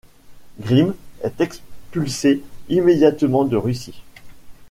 Grimm est expulsé immédiatement de Russie.